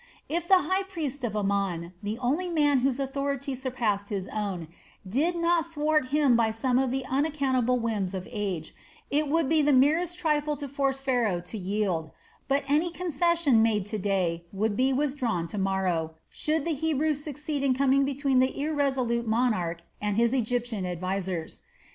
If the high priest of Amon the only man whose authority surpassed his own did not thwart him by some of the unaccountable whims of age, it would be the merest trifle to force Pharaoh to yield; but any concession made to day would be withdrawn to morrow, should the Hebrew succeed in coming between the irresolute monarch and his Egyptian advisers.